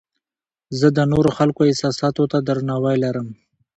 زه د نورو خلکو احساساتو ته درناوی لرم.